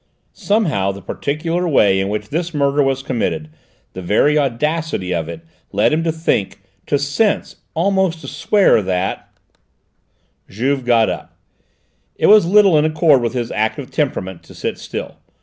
Somehow the particular way in which this murder was committed, the very audacity of it, led him to think, to "sense," almost to swear that Juve got up. It was little in accord with his active temperament to sit still.